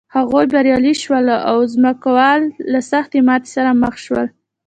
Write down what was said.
هغوی بریالي شول او ځمکوال له سختې ماتې سره مخ شول.